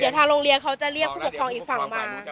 เดี๋ยวทางโรงเรียนเขาจะเรียกผู้ปกครองอีกฝั่งมา